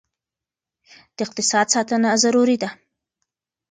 د اقتصاد ساتنه ضروري ده.